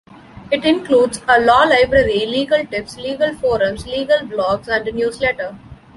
It includes a law library, legal tips, legal forums, legal blogs, and a newsletter.